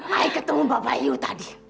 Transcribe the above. saya ketemu bapak yu tadi